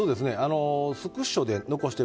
スクショで残している。